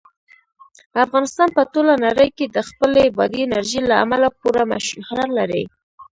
افغانستان په ټوله نړۍ کې د خپلې بادي انرژي له امله پوره شهرت لري.